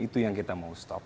itu yang kita mau stop